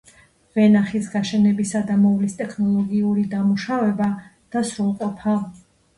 ვენახის გაშენებისა და მოვლის ტექნოლოგიური დამუშავება და სრულყოფა.